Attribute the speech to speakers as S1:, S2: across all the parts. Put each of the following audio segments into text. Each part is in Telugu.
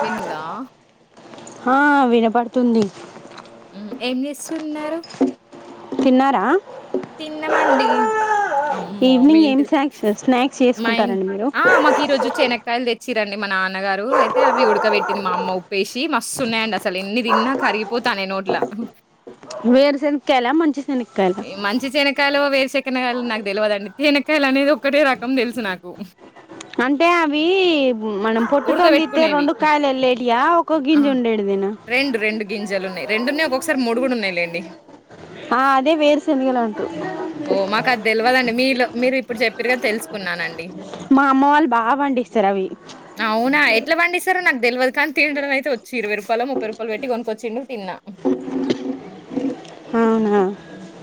S1: విందా
S2: ఆ వినపడుతుంది
S1: ఏం చేస్తున్నారు
S2: తిన్నారా
S1: తిన్నమండి అమ్మో
S2: ఈవినింగ్ ఏం
S1: మేంటిది
S2: స్నాక్స్ స్నాక్స్
S1: మా ఇం
S2: చేసుకుంటారండి మీరు
S1: ఆ మాకు ఈ రోజు చెనక్కాయలు తె చ్చిరండి మా నాన్నగారు అయితే అవి ఉడకబెట్టింది మా అమ్మ ఉప్పేసి మస్తు ఉన్నాయండి అసలు ఎన్ని తిన్నా కరిగిపోతానే నోట్లో అహ్,
S2: వేరు శెనిక్కాయలా మంచి శెని క్కాయలా
S1: తేనకాయలు వేరు శెకనకాయలు నాకు తెలువదండి తేనకాయలు అనేది ఒక్కటే రకం తెలుసు నాకు
S2: అంటే అవి మనం పొట్టుతోని దీత్తే
S1: ఉడకబెట్టుకునేవి.
S2: రెండు కాయలు వెళ్లేటి యో ఒక్కొ గింజి ఉండేడిదేన.
S1: గింజలు ఉన్నయి రెండు ఉన్నాయి ఒకొక్కసారి మూడు కూడా ఉన్నాయిలేండి
S2: ఆ అదే వేరు శెనగలు
S1: ఓ మాకు అది తెలివాలండి మీలో మీరు ఇప్పుడు చెప్పారుగా తెలుసుకున్నానండి
S2: మా అమ్మ వాళ్ళు బాగా పండిస్తారు అవి
S1: అవునా? ఎట్లా పండిస్తారో నాకు తెలియదు కానీ త అచ్చ ఇరవై రూపాయ ముప్పై రూపాయలు పెట్టి కొ తిన్నా
S2: అవునా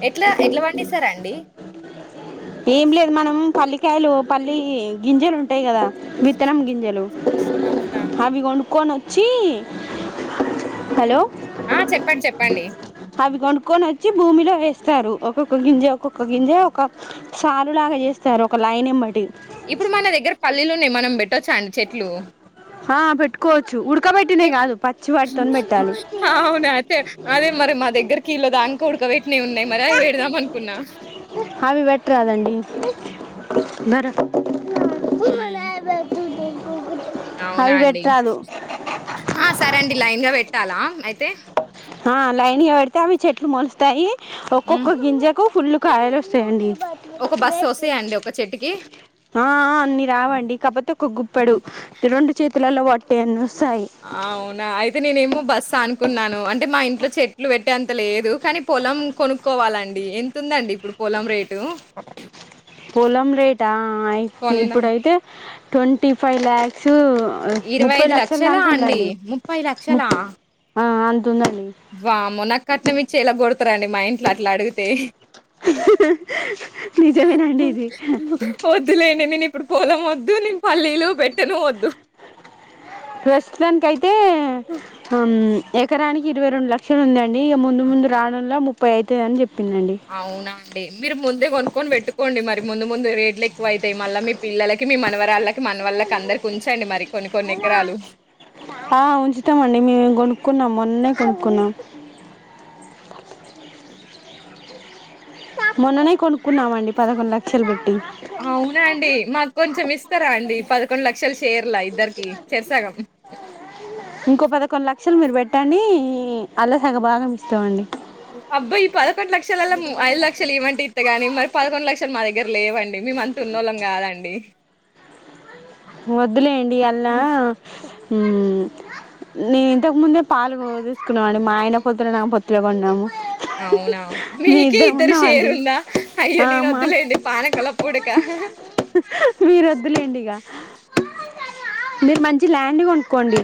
S1: ఎ ఎ సారా అండి
S2: ఏం లేదు మనం పల్లికి వరకాయలు పల్లి గింజలు ఉంటాయి కదా విత్తనం గింజలు
S1: అవునా
S2: కోన్ వచ్చి హలో
S1: ఆ చెప్పండి చెప్పండి
S2: కొని వచ్చి భూమిలో వేస్తారు ఒక్కొక్క గింజే ఒక్కొక్క గింజ ఒక సార్ లాగా చేస్తారు ఒక లైన్ ఎంబటి
S1: ఇప్పుడు మన దగ్గర పల్లీలో మనం పెట్టొచ్చా అండి చెట్లు
S2: ఆ పెట్టుకోవచ్చు ఉడకబెట్టినే
S1: చెట్
S2: కాదు పచ్చి వాటితోని పెట్టాలి
S1: అవునా? అయితే అదే మరి మా దగ్గరకిీళ్ళదా అంక ఉడకబట్టినేవి ఉన్నాయి మరి అవి పెడదాం అనుకున్నా
S2: అవి పెట్టరాదండీ రాదండి బర
S1: హ్మ్మ్ అవునా
S2: అవి
S1: అండి
S2: పెట్టరాదు
S1: ఆ సరే అండి లైన్ గా పెట్టాలా అయితే
S2: ఆ లైన్గా పెడితే అవి చెట్లు మోలుస్తాయి
S1: హ్మ్.
S2: ఒక్కొక్క గింజాకు ఫుల్ కాయలు వస్తాయండి
S1: ఒక బస్సొస్తయండి ఒక చెట్టుకి?
S2: ఆ అన్ని రావండి కాపతే ఒక్క గుప్పడు త రండు చేతలలా వట్టే అన్న
S1: అవునా అయితే నేను ఏమో బస్తా అనుకున్నాను అంటే మా ఇంట్లో చెట్లు పెట్టే అంత లేదు కానీ పొలం కొనుక్కోవాలండి ఎంతతుందండి ఇప్పుడు పొలం రేటు
S2: పొలం రేటా
S1: కొందాం.
S2: ఇప్పుడైతే ట్వంటీ ఫైవ్ లాక్స్ ముప్పై లక్షలకు
S1: అండి?
S2: ఉండాలి ము
S1: వామ్మో కట్నం ఇచ్చే ఇలా కొడతారంండి మా ఇంట్లో అట్లా అడిగితే
S2: నిజమేనండి ఇది
S1: వద్దులేం నేను ఇప్పుడు పోలం వద్దు నేను పల్లీలు పెట్టన వద్దు
S2: ప్రస్తుతానికి అయితే హ్ ఎకరానికి ఇరవై రెండు లక్షలు ఉందండి. ఇగ ముందు ముందు రావడంలో ముప్పై అయితది అని చెప్ప
S1: అవునా అండి. మీరు ముందే కొనుక్కొని పెట్టుకోండి మరి. ముందు ముందు రేట్లు ఎక్కువ అవుతాయి. మళ్ళీ మీ పిల్లలకి మీ మనవరాళ్ళకి, మన వాళ్ళకి అందరికీ ఉంచండి మరి. కొన్ని కొన్ని ఎకరాలు.
S2: ఆ ఉంచుతాం అండి. మేం కొను క్కున్నాం మొన్నే కొనుక్కున్నాం. మొన్ననే కొనుక్కున్నామండి పదకొండు లక్షలు పె
S1: అవునా అండి మాకు కొంచెం ఇస్తారా అండి. పదకొండు లక్షల షేర్లా ఇద్దరికి చేర్సాగం.
S2: అసలు మీరు పెట్టండి అల్ల సగ భాగం ఇస్తాంమండి.
S1: అబ్బా ఈ పదకొండు లక్షలల్లా ఐదు లక్షలు ఇమ్మంటే ఇస్తాగానీ మరి పదకొండు లక్షలు మా దగ్గర లేవండి. మేము అంత ఉన్నోళ్ళం కాదండి.
S2: వద్దులేండి అల్లా హ్మ్. నేను ఇంతకు ముందే పాలు తీసుకున్నాం అండి. మా ఆయన పొత్తుల, నా పొత్తుల కొన్నాము.
S1: అవునా
S2: మీ
S1: మీకే
S2: ఇద్దరం
S1: ఇద్దరు
S2: ఉన్నామండి
S1: షేరుందా. అయ్యో
S2: ఆ
S1: నేను
S2: మా
S1: వద్దులేయండి పానకంలో పుడకా
S2: మీరు వద్దులేండి ఇగా మీరు మంచి ల్యాండ్ కొనుకోండి.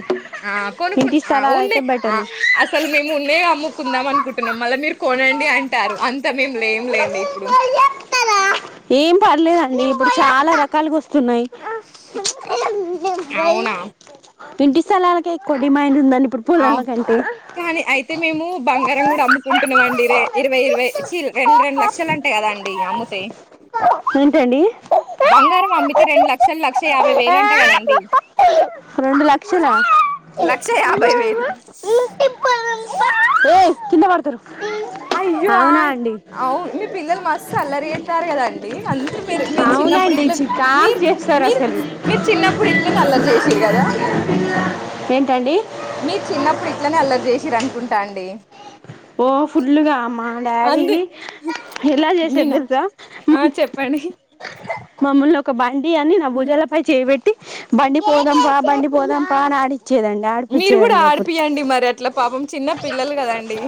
S1: ఆ కొనుకు ఆ ఉండే ఆ అసలు మేము ఉన్నయే అమ్ము కుందాం అనుకుంటున్నాం మళ్ళా మీరు కొనండి అంటారు. అంత మేము లేం లేండి ఇప్పుడు.
S2: ఏం పర్లేదండి ఇప్పుడు చాలా రకాలుగా వస్తున్నాయి.
S1: అవునా.
S2: ఇంటి స్థలాలకే ఎక్కువ డిమాండ్ ఉంది అం
S1: అవు కానీ అయితే మేము బంగారం కూడా అమ్ముకుంటున్నాము అండి. ఇరవై ఇరవై రెండు రెండు లక్షలు అంట కదా అండి అమ్ముతే.
S2: ఏంటండి
S1: బంగారం అమ్మితే రెండు లక్షలు లక్ష యాభై వేలు అంటా కదండి.
S2: రెండు లక్షలా
S1: లక్షా యా బ్భై వేలు.
S2: ఏయ్ కింద వడతరు.
S1: అయ్యో అన్ అవును మీ పిల్లలు మస్త్ అల్లరి చేత్తా ఉన్నరు కదాండి అంతే మీరు. మీరు చిన్నప్పుడు
S2: అవునండి
S1: ఇట్ల
S2: చికాకు
S1: మీరు
S2: చేస్తారు
S1: మీరు
S2: అసలు
S1: మీరు చిన్నప్పుడు ఇట్లనే అల్లరి చేశింరు కదా.
S2: ఏంటండి
S1: మీరు చిన్నప్పుడు ఇట్లనే అల్లరి చేసింరు అనుకుంటా అండి.
S2: ఓ ఫుల్లుగా. మా డాడీ
S1: అందు
S2: ఎలా చేసేది
S1: మీనా
S2: తెలుసా
S1: ఆ చెప్పండి
S2: మమ్మల్ని ఒక బండి అని నా భుజాలపై చేయి పెట్టి బండి పోదాంపా బండి పోదాంపా ఆడి
S1: మీరు కూడా ఆడిపియండి మరి అట్లా పాపం చిన్న పిల్లలు కదండి.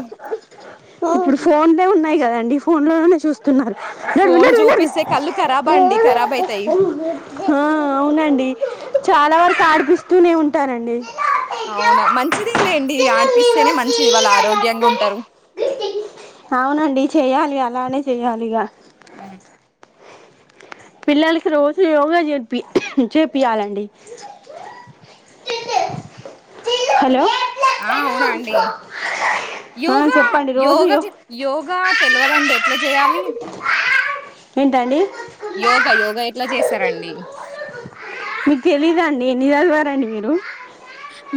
S2: ఇప్పుడు ఫోన్లే ఉన్నాయి కదండి ఈ ఫోన్ లో చూస్తున్నారు
S1: ఫోన్ చూపిస్తే కళ్ళు ఖరాబ్ అండి ఖరాబ్ అయితాయి
S2: [unintelligible] ఆ అవును అండి చాలా వరుకు ఆడిపిస్తూనే ఉంటానండి.
S1: అవునా మంచిదే లేండి ఆడిపిస్తేనే మంచిది. వాళ్ళు ఆరోగ్యంగా ఉంటారు.
S2: [unintelligible] అవునండి చేయాలి అలానే చేయాలిక.
S1: ఉమ్
S2: పిల్లలుకి రోజు యోగా చేరిప్ చేపియాలండి [unintelligible] హలో
S1: ఆ
S2: ఆ
S1: యోగ
S2: చెప్పండి రోజు యో
S1: యోగా తెలివదండి ఎట్లా చేయాలి
S2: ఏంటండి
S1: యోగ యోగా ఎట్లా చేస్తారండి.
S2: అండి ఎన్ని ఇయలు వారండి మీరు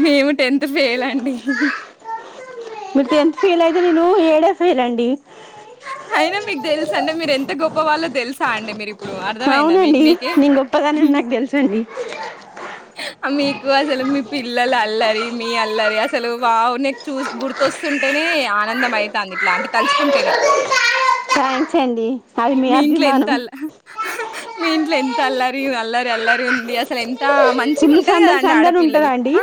S1: మేము టెన్త్ ఫెయిల్ అండి హ్హ్
S2: ఫీల్ అయితే నను ఏడే ఫీర్ అండి
S1: అయినా మీకు తెలుసా అండి. మీరు ఎంత గొప్ప వాళ్ళ తెలుసా అండి. హుహు మీరి ఇప్పుడు అర్థమైందా మీకు
S2: అవునండి
S1: మీకే.
S2: నేను గొప్పదానని నాకు తెలుసండి
S1: మీకు అసలు మీ పిల్లల అల్లరి మీ అల్లరి అసలు వావు నె చూ గుర్తొస్తుంటేనే ఆనందం అవుతుంది ఇట్లాంటి
S2: [unintelligible] థాంక్స్ అండి అది
S1: మీ ఇంట్లో ఎంత
S2: అభిమానం
S1: అల్ల హ్హ్హ్ మీ ఇంట్లో ఎంత అల్లరి అల్లారి అల్లారి ఉంది. అసలు ఎంత మంచిగా
S2: ఫుల్
S1: ఉంటది కదా
S2: సందడి
S1: అండి.
S2: సందడి
S1: ఆడపిల్లలు
S2: ఉంటదా అండి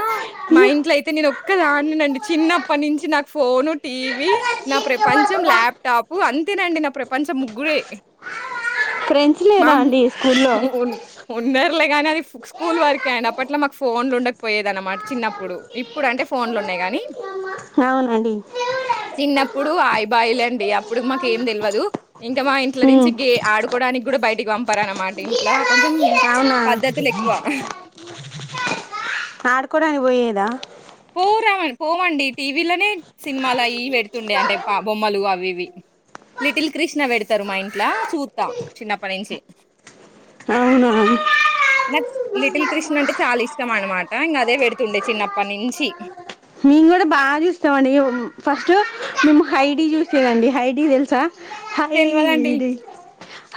S1: మా ఇంట్లో అయితే నేను కదా అనా చిన్నప్పటి నుంచి నాకు ఫోన్ టీవీ నా ప్రపంచం ల్యాప్టాప్ అంత తినండి నా ప్రపంచం ముగ్గురే
S2: ఫ్రెండ్స్ లేరా
S1: మామ్
S2: అండి స్కూల్లో
S1: ఉన్నర్లే గానీ అది స్కూల్ వరకె ఆయన అప్పట్లో మాకు ఫోన్లు ఉండకపోయేది అన్నమాట. చిన్నప్పుడు ఇప్పుడు అంటే ఫోన్లు ఉన్నాయి గాని.
S2: అవునండి
S1: చిన్నప్పుడు ఆయిబాయిలండి అప్పుడుకి మాకు ఏం తెలియదు. ఇంకా మా ఇ ఇల నుంచి
S2: ఉమ్
S1: గ ఆడుకోవడానికి కూడా బయటికి పంపారన్నమాట ఇంట్లో కొంచెం చ్
S2: అవునా
S1: పద్ధతులు ఎక్కువ.
S2: ఆడుకోడానికి పోయేదా
S1: పో రావండి పోవండి టీవీలోనే సినిమాలు అయ్యియి పెట్టి పెతుండే అంటే పా బొమ్మలు అవి ఇవి లిటిల్ కృష్ణ పెడతారు మా ఇంట్ల. చూద్దాం చిన్నప్పటి నుంచి [inaudible]
S2: అవునవును [unintelligible]
S1: నాకు లిటిల్ కృష్ణ అంటే చాలా ఇష్టం అనమాట. ఇంకా అదే పెడుతుండే చిన్నప్పటి నుంచి తి
S2: మేము కూడా బాగా చూస్తామండి. ఫస్ట్ మేము హైడి చూసేదండి హైడి తెలుసా
S1: తెల్వదండి
S2: హైడి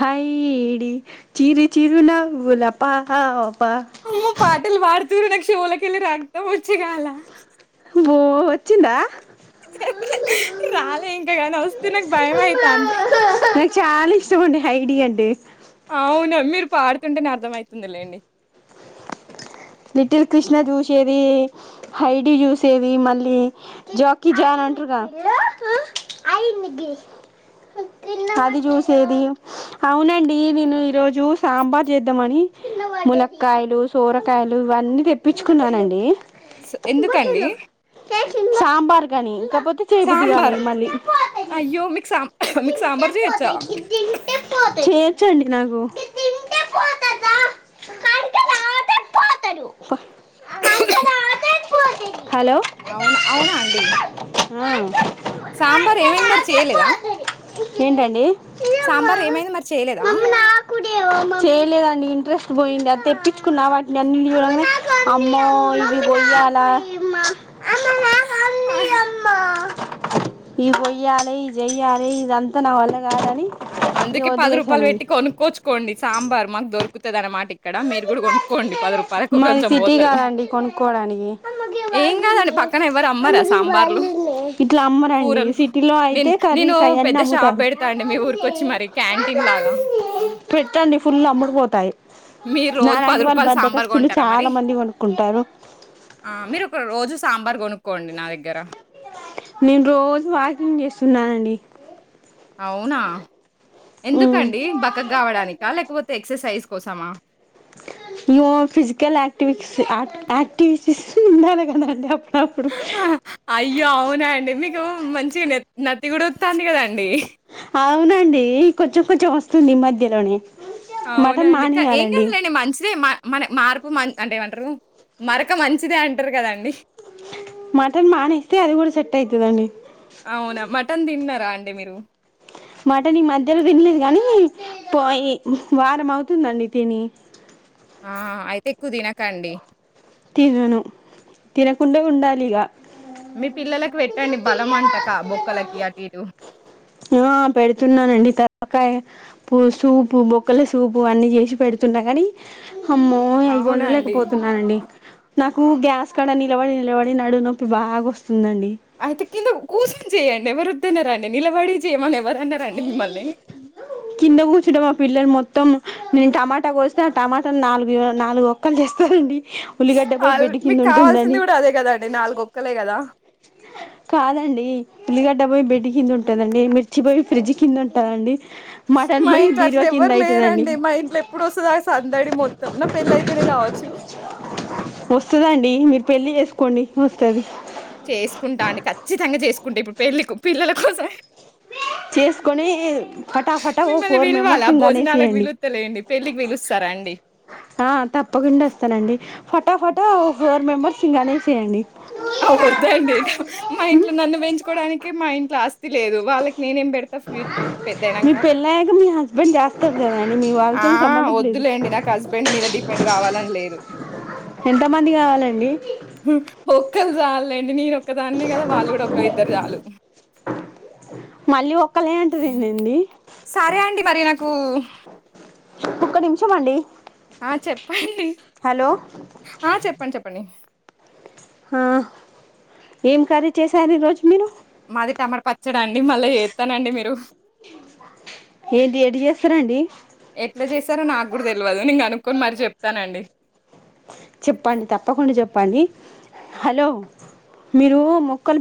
S2: హైడి చిరు చిరు నవ్వుల పాప హో
S1: అయ్యో పాటలు పాడు నాకు చెవుల కెళ్ళి రక్తం వచ్చగాల
S2: ఒ వచ్చిందా
S1: రాలే ఇంకా కాని వస్తే నాకు భయం అయితాంది
S2: నాకు చాలా ఇష్టం అండి హఐడి అంటే
S1: అవును మీరు పాడుతుంటేనే అర్థమవుతుంది లేండి
S2: లిటిల్ కృష్ణ చూసేది హైడి చూసేది మళ్ళీ జాకీ జాన్ అంటారుగా అది చూసేది అవునండి నేను ఈరోజు సాంబార్ చేద్దామని ములక్కాయలు సోర కాయలు ఇవన్నీ తెప్పించుకున్నానండి
S1: ఎందుకండి
S2: సాంబార్ మార్గాని ఇంకా కాపోతే చెయ్య బుద్ధి
S1: సాంబార్
S2: కాలేదు మళ్లీ
S1: అయ్యో మీకు సాం మీకు సాంబార్ చేయొచ్చా
S2: చ్చండి నాకు పోతారు అంతంది
S1: అవునా అవునా అండి
S2: ఆ
S1: సాంబార్ ఏమైంది మరి చేయలేదా
S2: ఏంటండి
S1: సాంబార్ ఏమైంది మరి చేయలేదా
S2: చేయిలేదండి ఇంట్రెస్ట్ పోయింది తెప్పించకున్నా నన్న చూడంగానే అమ్మో ఈ కొయ్యల
S1: ఆ
S2: ఇ పోయ్యాలి చెయ్యాలి ఇదంతా నా వల్ల కాదని ఇక
S1: అందుకే పది రూపాయలు
S2: వదిలేసానండి
S1: పెట్టి కొనుక్కోచ్చుకోండి సాంబార్ మాకు దొరుకు దొరుకుతది అన్నమాట ఇక్కడ మీరు కూడా కొనుక్కోండి పది రూపాయ
S2: మాది
S1: కొంచం
S2: సిటీ
S1: పోతారు
S2: కాదండి కొనుక్కోవడానికి
S1: ఏం కాదండి పక్కన ఎవరు అమ్మ రా సాంబార్ లు
S2: ఇట్లా అమ్మరండి
S1: కూరలు
S2: సిటీలో అయితే
S1: నేను
S2: కర్రీస్ అవన్నీ
S1: పెద్ద షాప్
S2: అమ్ముతారు
S1: పెడతాండి మీ ఊ కోచ్చి మరి క్యాంటీన్ లాగా
S2: పెట్టండి ఫుల్ అమ్ముడుపోతాయి
S1: మీరు రోజు పది
S2: నాలాంటి వాళ్ళు
S1: రూపాయలు సాంబార్
S2: బద్దకస్తులు
S1: కొంటారా మరి
S2: చాలా మంది కొనుక్కుంటారు
S1: ఆ మీరు ఒక రోజు సాంబార్ కొనుక్కోండి నా దగ్గర
S2: నేను రోజు వాకింగ్ చేస్తున్నానండి
S1: అవునా
S2: ఉమ్
S1: ఎందుకండి బక్కగా కావడానిక లేకపోతే ఎక్ససైజ్ కోసమా
S2: ఫిజికల్ అక్టివిటీస్క్ యాక్టివిస్ ఉండాలి కదండీ
S1: అయ్యో అవునా అండి మీకు మంచి నే న నత్తి కూడా వత్తాంది కదండి
S2: అవునండి కొంచెం కొంచెం వస్తుంది ఈ మధ్యలోనే మటన్
S1: అవునండి ఏం
S2: మానేయాలండి
S1: కదలేండి మంచిదే మన మార్పు మ అంటే ఏమంటారు మరొక మంచిదే అంటారు కదండి
S2: మటన్ మానేస్తేఅది కూడా సెట్ అయితే దండి
S1: రాండి అండి మీరు
S2: మటన్ ఈ మధ్యలో తినలేదు కానీ పోయి వారం అవుతుందండి తిని
S1: ఆ అయితే ఎక్కువ తినకండి
S2: తినను తినకుండా ఉండాలిగ
S1: మీ పిల్లలకు వెట్టండి బలం అంటక క బొక్కలకి అటు ఇటు
S2: ఆ పెడుతున్నానండి త కాయ పు సూపు బొక్కల సూపు అన్నీ చేసి పెడుతున్నా గానీ అమ్మో ఐ వండ
S1: అవునండి.
S2: లేకపోతున్నానండి నాకు గ్యాస్ కడ నిలబడి నిలబడి నడు నొప్పి బాగా ఒస్
S1: అయితే కింద కూర్సొని చేయండి ఎవరు అ తిన్నారండి నీలవాడి చే మలే
S2: కింద కూచ్చట మా పిల్లది మొత్త త్తం నేను టమాటా కోస్తే ఆ టమాటా నాలుగు నాలుగు ఒక్కలు చేస్తారండి
S1: స్
S2: ఉల్లిగడ్డ పోయి
S1: ఆవ్
S2: బెడ్ కింద
S1: మీకు కావాల్సింది
S2: ఉంటుందండి
S1: కూడా అదే కదండి నాలుగొక్కలే కదా
S2: కాదండి ఉల్లిగడ్డ పోయి బెడ్డి కిందుంటదండి మిర్చి బొయి ఫ్రిడ్జ్ కింద ఉంటదండి
S1: మా ఇంట్లో అట్ల ఎవ్వరు లేరండి మా ఇంట్లో ఎప్పుడు ఒస్తద ఆ సందడి మొత్తం నా పెళ్ళయితేనే కావచ్చు
S2: వస్తుదండి మీరు పెళ్లి చేసుకోండి వస్తది
S1: చేసుకుంటాండి ఖచ్చితంగా చేస్ కుంట ఇప్పుడు పెళ్లి పిల్లల కోసం
S2: చేసుకొని ఫటాఫటా ఓ
S1: మిమ్మల్ని
S2: ఫోర్ మెంబర్స్
S1: పిలవాలా?
S2: ని
S1: భోజనాలకు
S2: గనేసెయండి
S1: పిలుత్తలేండి. పెళ్ళికి పిలుస్తారా అండి?
S2: ఫటాఫట ఫోర్ మెంబర్స్ని గనేసేయండి
S1: అ వద్దండి ట మా
S2: ఉమ్
S1: ఇంట్లో నన్ను వేంచుకోడానికి మా ఇంట్ల ఆస్ స్థి లేదు వాళ్ళకి నేనేం పెడతా ఫూ
S2: మీ
S1: పెదయ్నంక
S2: పెళ్ళయ్యాక మీ హస్బెండ్ చేస్తారు కదండి మీ
S1: ఆ
S2: వాళ్ళతోని సంబంధం లేదు
S1: వద్దులేండి నాకు హస్బెండ్ మీద డిపెండ్ కావాలని లేదు
S2: ఎంత మంది కావాలండి
S1: కల్ సాలెండి మీరు ఒక్కదాన్నే కదా వాళ్ళు కూడా ఒక ఇద్దరు చాలు
S2: మళ్ళీ ఒకలే ఏంటిదండండి
S1: సరే అండి మరి నాకు
S2: ఒక్క నిమిషం అండి
S1: ఆ చెప్పండి
S2: హలో
S1: ఆ చెప్పండి చెప్ అని
S2: ఆ ఏం కర్రీ చేశారు ఈ రోజు మీరు
S1: మాది టమాట ప చడండి మళ్ళ యేతనండి మీరు
S2: ఏంటి ఎటు చేస్తారండి
S1: ఎట్లా చేశారో నాకు కూడా తెల్వదు నే గనుక్కొని మరి చెప్తానండి
S2: చెప్పండి తప్పకుండా చెప్పండి హలో మీరు మొక్కలు